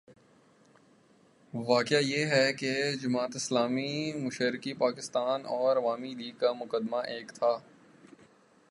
واقعہ یہ ہے کہ جماعت اسلامی مشرقی پاکستان اور عوامی لیگ کا مقدمہ ایک تھا۔